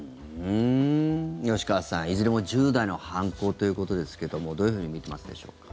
吉川さん、いずれも１０代の犯行ということですけどどういうふうに見てますでしょうか？